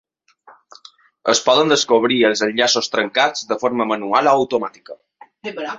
Es poden descobrir els enllaços trencats de forma manual o automàtica.